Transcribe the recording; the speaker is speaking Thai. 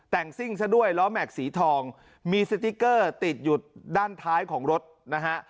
แต่งซิ่งซะด้วยล้อแม็กซ์สีทองมีสติ๊กเกอร์ติดอยู่ด้านท้ายของรถนะฮะ